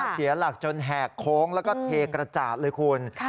เสียหลักจนแหกโค้งแล้วก็เทกระจาดเลยคุณ